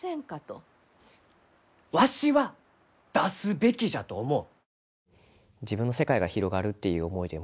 わしは出すべきじゃと思う。